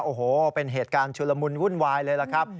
โอ้โหเป็นเหตุการณ์ชุลมุนวุ่นวายเลยล่ะครับ